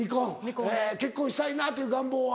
結婚したいなっていう願望は？